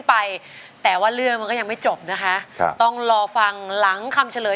แห่งมันเห้ยอ่อ